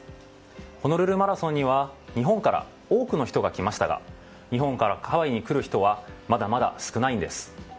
ホノルルマラソンには日本から多くの人が来ましたが日本からハワイに来る人はまだまだ少ないんです。